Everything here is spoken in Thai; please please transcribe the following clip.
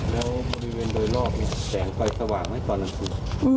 แล้วบริเวณโดยรอบมีแสงไฟสว่างไหมตอนกลางคืน